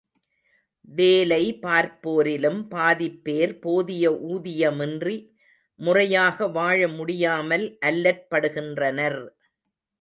வேலை பார்ப்போரிலும் பாதிப்பேர் போதிய ஊதியமின்றி முறையாக வாழமுடியாமல் அல்லற்படுகின்றனர்!